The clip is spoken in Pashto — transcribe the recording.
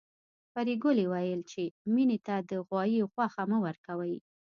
پريګلې ويل چې مينې ته د غوايي غوښه مه ورکوئ